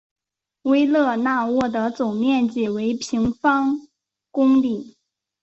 维勒讷沃的总面积为平方公里。